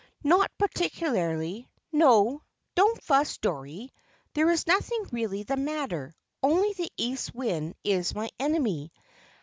"Not particularly. No, don't fuss, Dorrie, there is nothing really the matter; only the east wind is my enemy.